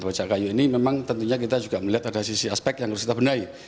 pajak kayu ini memang tentunya kita juga melihat ada sisi aspek yang harus kita benahi